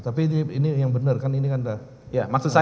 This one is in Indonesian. tapi ini yang benar kan ini kan dah